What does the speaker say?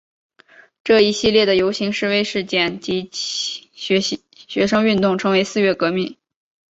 这一系列的游行示威事件及学生运动称为四月革命。